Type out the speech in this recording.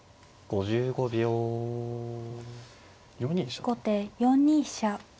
後手４二飛車。